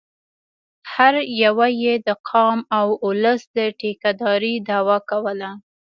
هر یوه یې د قام او اولس د ټیکه دارۍ دعوه کوله.